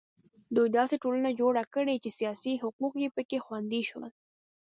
دوی داسې ټولنه جوړه کړه چې سیاسي حقوق په کې خوندي شول.